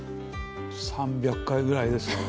３００回ぐらいですかね。